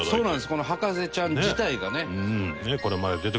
この『博士ちゃん』自体がね。